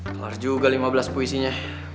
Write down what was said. keluar juga lima belas puisinya